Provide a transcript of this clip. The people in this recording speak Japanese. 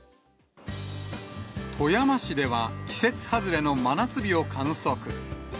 富山市では、季節外れの真夏日を観測。